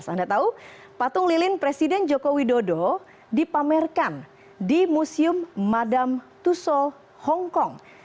anda tahu patung lilin presiden jokowi dodo dipamerkan di museum madame tussauds hongkong